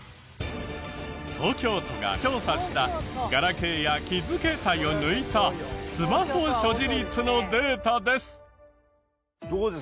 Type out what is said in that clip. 東京都が調査したガラケーやキッズ携帯を抜いたスマホ所持率のデータです。